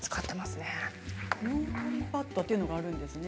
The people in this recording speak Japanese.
尿取りパッドというのがあるんですね。